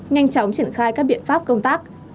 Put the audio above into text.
nhanh chóng triển khai các biện pháp công tác